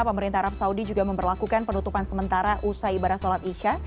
pemerintah arab saudi juga memperlakukan penutupan sementara usai ibadah sholat isya